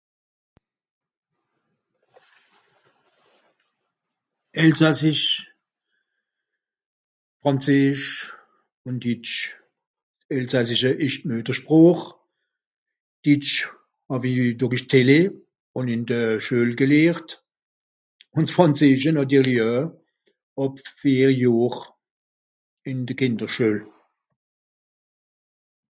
Elsassisch, Frànzeesch un Ditsch. S Elsassische ìsch d'Müetersprooch, Ditsch hàw-i dùrich d'Télé un ìn de Schüel gelehrt, un s Frànzeesche nàtirli oe, àb vier Johr ìn de Kìnderschüel.